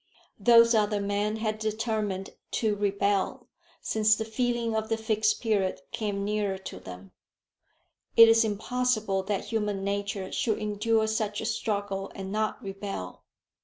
Those other men had determined to rebel since the feeling of the Fixed Period came near to them. It is impossible that human nature should endure such a struggle and not rebel.